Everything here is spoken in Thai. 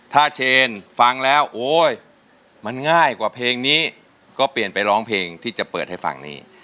ถ้าเชนฟังแล้วโอ๊ยมันง่ายกว่าเพลงนี้ก็เปลี่ยนไปร้องเพลงที่จะเปิดให้ฟังนี้